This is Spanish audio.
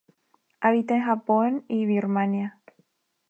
Habita en Japón y Birmania.